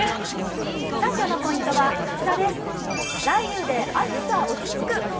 今日のポイントはこちらです、雷雨で暑さ落ち着く。